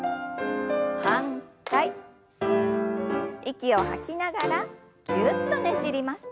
息を吐きながらぎゅっとねじります。